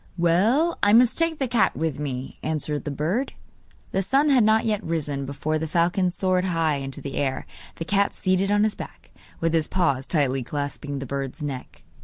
'Well, I must take the cat with me,' answered the bird. The sun had not yet risen before the falcon soared high into the air, the cat seated on his back, with his paws tightly clasping the bird's neck.